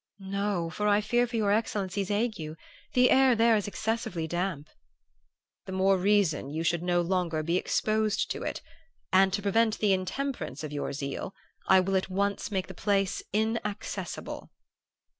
"'No; for I fear for your excellency's ague. The air there is excessively damp.' "'The more reason you should no longer be exposed to it; and to prevent the intemperance of your zeal I will at once make the place inaccessible.